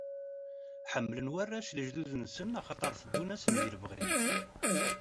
Ḥemmlen warrac lejdud-nsen axaṭer teddun-asen di lebɣi.